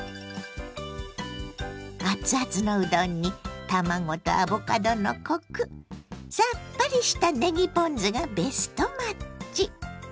熱々のうどんに卵とアボカドのコクさっぱりしたねぎポン酢がベストマッチ！